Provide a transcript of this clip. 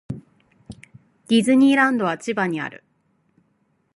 ディズニーランドは千葉にある。